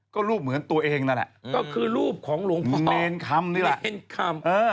ก็รูปเหมือนตัวเองนั่นแหละก็คือรูปของหลวงพี่เนรคำนี่แหละเนรคำ